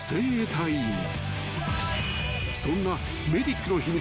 ［そんな］